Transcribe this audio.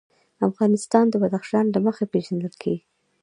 افغانستان د بدخشان له مخې پېژندل کېږي.